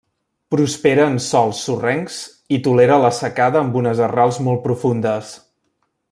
Prospera en sòls sorrencs i tolera la secada amb unes arrels molt profundes.